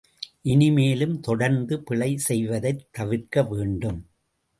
இனிமேலும் தொடர்ந்து பிழை செய்வதைத் தவிர்க்க வேண்டும்.